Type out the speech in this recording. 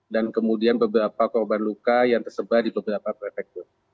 dan kemudian beberapa korban luka yang tersebar di beberapa prefektur